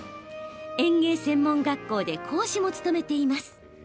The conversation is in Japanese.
園芸専門学校で講師も勤めています。